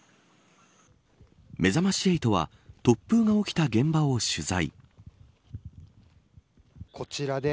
めざまし８は突風が起きた現場を取材。